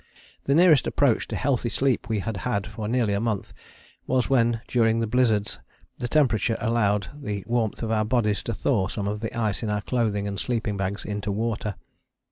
The nearest approach to healthy sleep we had had for nearly a month was when during blizzards the temperature allowed the warmth of our bodies to thaw some of the ice in our clothing and sleeping bags into water.